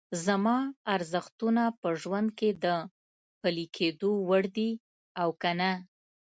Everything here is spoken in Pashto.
زما ارزښتونه په ژوند کې د پلي کېدو وړ دي او که نه؟